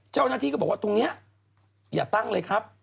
เจ้าหน้าที่ก็บอกว่าตรงนี้อย่าตั้งเลยครับ